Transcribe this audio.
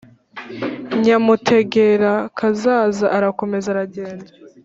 Nyamutegerakazaza arakomeza aragenda